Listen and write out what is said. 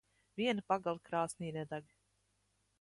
Viena pagale krāsnī nedeg.